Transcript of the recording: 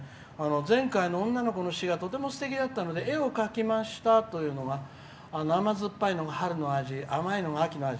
前回の女の子の詩がとても、すてきだったんで絵を描きましたというのが春の味、甘いのが秋の味。